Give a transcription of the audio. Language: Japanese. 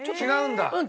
違うんだ。